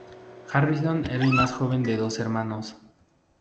Harrison era el más joven de dos hermanos.